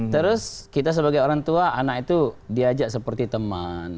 terus kita sebagai orang tua anak itu diajak seperti teman